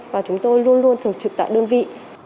và chúng tôi luôn luôn thường trực tại đơn vị